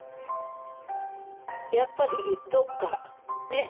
やっぱりどっかね